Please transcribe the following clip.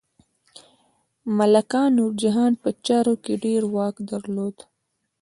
ملکه نورجهان په چارو کې ډیر واک درلود.